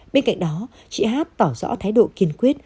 bên cạnh đó chị hát tỏ rõ thái độ kiên quyết